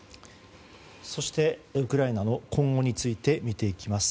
そして、ウクライナの今後について見ていきます。